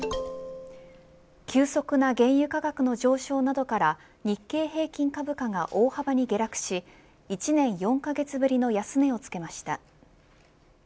急速な原油価格の上昇などから日経平均株価が大幅に下落し１年４カ月ぶりの安値をつけました。